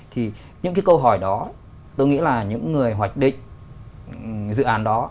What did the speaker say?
thì những cái câu hỏi đó tôi nghĩ là những người hoạch định dự án đó